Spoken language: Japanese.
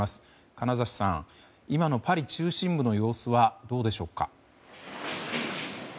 金指さん、今のパリ中心部の様子はどうでしょうか。